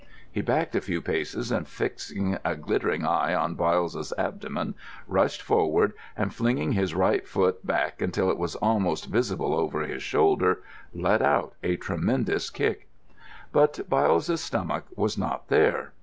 He backed a few paces, and fixing a glittering eye on Byles's abdomen, rushed forward, and, flinging his right foot back until it was almost visible over his shoulder, let out a tremendous kick. But Byles's stomach was not there.